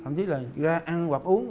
thậm chí là ra ăn hoặc uống